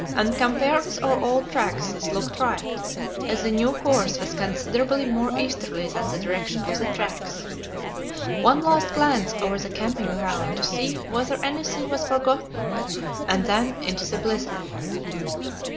And compared with our old tracks, this looked right, as the new course was considerably more easterly than the direction of the tracks. One last glance over the camping ground to see whether anything was forgotten, and then into the blizzard.